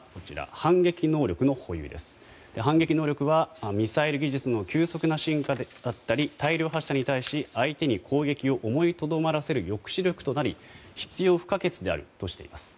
反撃能力はミサイル技術の急速な進化や大量発射に対し相手に攻撃を思いとどまらせる抑止力となり必要不可欠であるとしています。